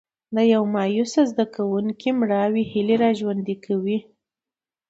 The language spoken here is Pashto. د یو مایوسه زده کوونکي مړاوې هیلې را ژوندي کوم.